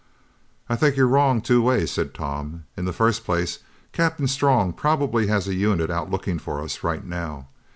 "I think you're wrong two ways," said Tom. "In the first place, Captain Strong probably has a unit out looking for us right now.